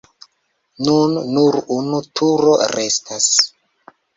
Nun nur unu turo restas.